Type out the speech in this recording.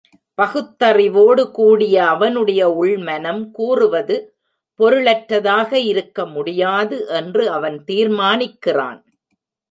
பகுத்தறிவோடு கூடிய அவனுடைய உள்மனம் கூறுவது பொருளற்றதாக இருக்க முடியாது என்று அவன் தீர்மானிக்கிறான்.